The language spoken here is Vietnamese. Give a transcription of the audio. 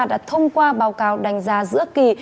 đã thông qua báo cáo đánh giá giữa kỳ